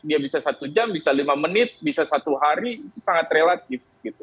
dia bisa satu jam bisa lima menit bisa satu hari sangat relatif